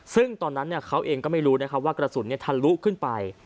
ซึ่งตอนนั้นเขาเองก็ไม่รู้นะครับว่ากระสุนทะลุขึ้นไป